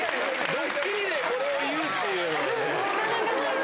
ドッキリでこれを言うっていうのはね。